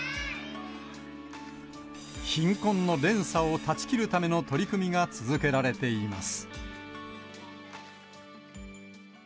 貧困の連鎖を断ち切るための取り組みが続けられています。